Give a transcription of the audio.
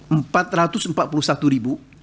empat ratus empat puluh satu ribu